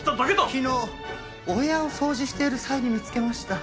昨日お部屋を掃除している際に見つけました。